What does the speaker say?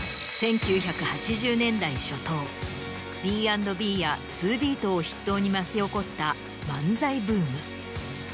１９８０年代初頭Ｂ＆Ｂやツービートを筆頭に巻き起こった漫才ブーム。